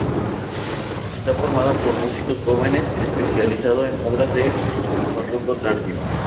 Está formada por músicos jóvenes, especializado en las obras del barroco tardío.